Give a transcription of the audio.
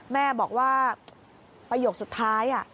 แม่บอกว่าประโยคสุดท้าย